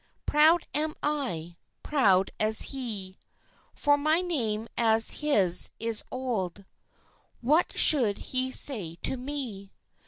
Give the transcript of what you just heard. Proud am I proud as he For my name as his is old What should he say to me?